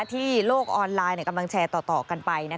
โลกออนไลน์กำลังแชร์ต่อกันไป